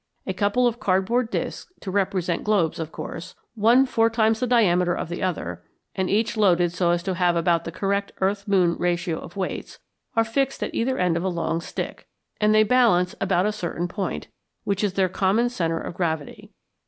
A couple of cardboard disks (to represent globes of course), one four times the diameter of the other, and each loaded so as to have about the correct earth moon ratio of weights, are fixed at either end of a long stick, and they balance about a certain point, which is their common centre of gravity.